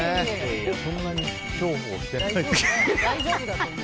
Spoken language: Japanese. そんなに重宝してない。